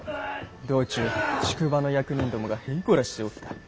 道中宿場の役人どもがへいこらしておった。